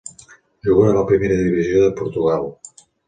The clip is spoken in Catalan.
Juga a la Primera Divisió de Portugal.